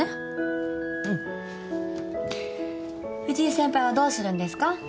藤井先輩はどうするんですか？